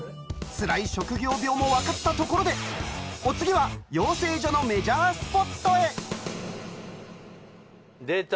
つらい職業病も分かったところでお次は養成所のメジャースポットへ出た！